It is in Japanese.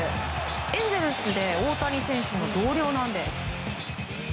エンゼルスで大谷選手の同僚なんです。